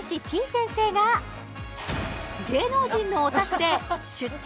先生が芸能人のお宅で出張！